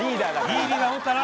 いいリーダー持ったな。